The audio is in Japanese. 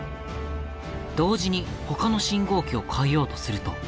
同時にほかの信号機を変えようとすると。